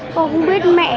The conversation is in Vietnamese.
con không biết mẹ